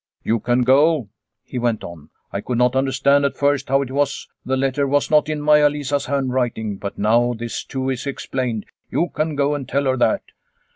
" You can go," he went on. "I could not understand at first how it was the letter was not in Maia Lisa's hand writing, but now this too is explained. You can go and tell her that."